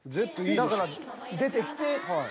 だから出てきてこう。